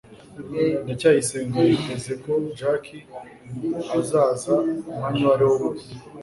ndacyayisenga yiteze ko jaki azaza umwanya uwariwo wose